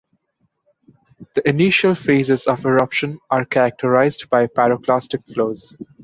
The initial phases of eruption are characterized by pyroclastic flows.